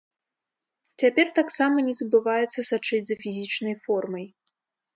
Цяпер таксама не забываецца сачыць за фізічнай формай.